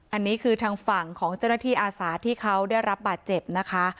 อันนี้คือทางฝั่งของเจ้าหน้าที่อาสาที่เขาได้รับบาดเจ็บนะคะ